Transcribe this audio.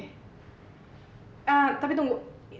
eh tapi tunggu